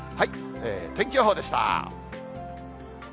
天気予報でした。